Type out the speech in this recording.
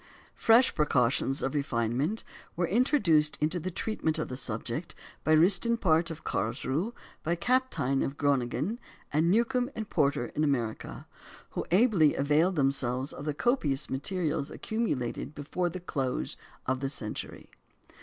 Fresh precautions of refinement were introduced into the treatment of the subject by Ristenpart of Karlsruhe, by Kapteyn of Groningen, by Newcomb and Porter in America, who ably availed themselves of the copious materials accumulated before the close of the century.